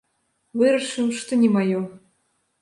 Вырашыў, што не маё.